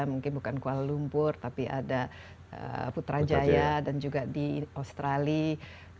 mungkin bukan kuala lumpur tapi ada putrajaya dan juga di australia